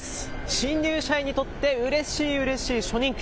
新入社員にとってうれしいうれしい初任給。